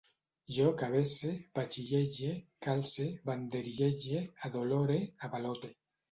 Jo cabece, batxillege, calce, banderillege, adolore, avalote